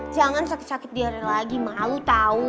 jangan sakit sakit diare lagi malu tahu